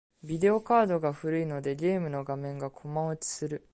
ビデオカードが古いので、ゲームの画面がコマ落ちする。